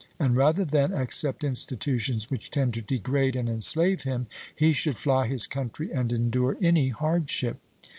And rather than accept institutions which tend to degrade and enslave him, he should fly his country and endure any hardship.